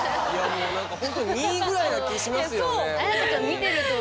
見てると。